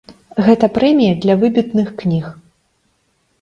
Гэта прэмія для выбітных кніг.